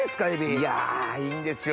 いやいいんですよ